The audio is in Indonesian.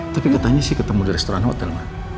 tapi katanya sih ketemu di restoran hotel mana